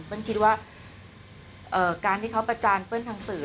คิดว่าการที่เขาประจานเปื้อนทางสื่อ